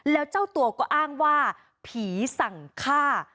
แล้วเจ้าตัวก็อ้างว่าผีสั่งฆ่า